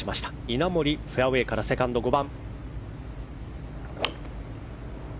稲森、フェアウェーからセカンド５番。